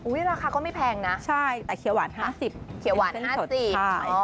อุ้ยราคาก็ไม่แพงนะใช่แต่เขียวหวาน๕๐เส้นสดค่ะ